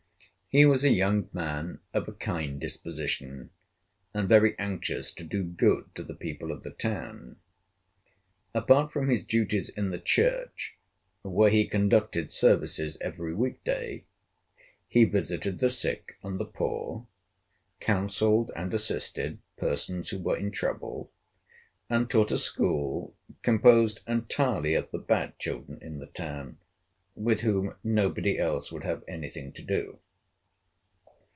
He was a young man of a kind disposition, and very anxious to do good to the people of the town. Apart from his duties in the church, where he conducted services every week day, he visited the sick and the poor, counselled and assisted persons who were in trouble, and taught a school composed entirely of the bad children in the town with whom nobody else would have any thing to do.